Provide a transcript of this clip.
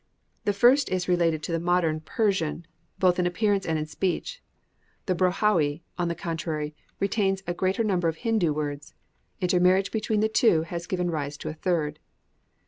The first is related to the modern Persian, both in appearance and speech; the Brahoui, on the contrary, retains a great number of Hindu words. Intermarriage between the two has given rise to a third.